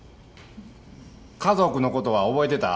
家族のことは覚えてた？